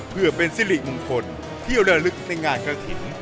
เพื่อเป็นสิริมงคลที่ระลึกในงานกระถิ่น